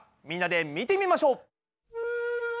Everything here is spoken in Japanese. みんなで見てみましょう。